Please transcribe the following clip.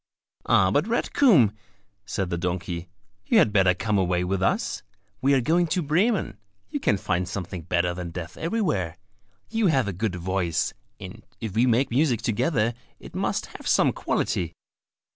"Ah, but red comb," said the donkey, "you had better come away with us. We are going to Bremen; you can find something better than death everywhere: you have a good voice, and if we make music together it must have some quality!"